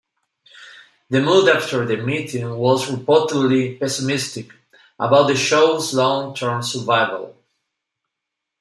The mood after the meeting was reportedly pessimistic about the show's long-term survival.